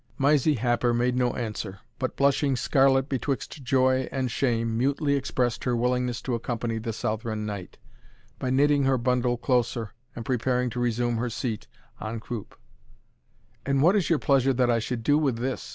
Mysie Happer made no answer; but blushing scarlet betwixt joy and shame, mutely expressed her willingness to accompany the Southron Knight, by knitting her bundle closer, and preparing to resume her seat en croupe. "And what is your pleasure that I should do with this?"